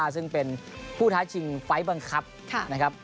ซึ่งเป็นผู้ท้าชิงไฟล์บังคับนะครับ